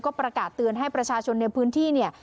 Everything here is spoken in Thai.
ประกาศเตือนให้ประชาชนในพื้นที่เนี่ย